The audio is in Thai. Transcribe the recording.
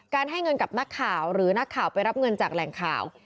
ให้เงินกับนักข่าวหรือนักข่าวไปรับเงินจากแหล่งข่าว